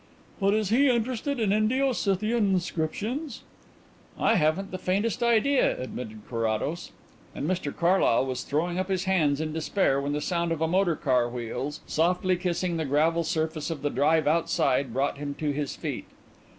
"But is he interested in Indo Scythian inscriptions?" "I haven't the faintest idea," admitted Carrados, and Mr Carlyle was throwing up his hands in despair when the sound of a motor car wheels softly kissing the gravel surface of the drive outside brought him to his feet.